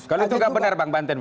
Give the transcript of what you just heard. kalau itu nggak benar bang banten